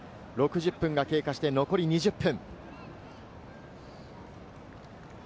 ６０分が経過して残り２０分。